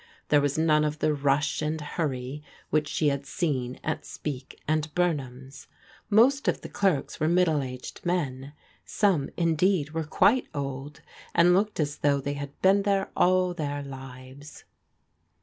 There was none of the rush and hurry which she had seen at Speke and Bumham's. Most of the clerks were middle aged men; some, indeed, were quite old, and looked as though they had been there all their lives.